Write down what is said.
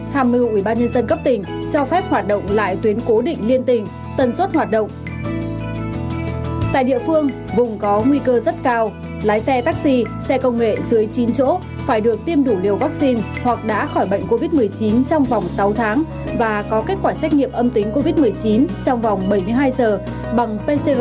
tham mưu ubnd cấp tỉnh cho phép hoạt động lại tuyến cố định liên tỉnh tần suốt hoạt động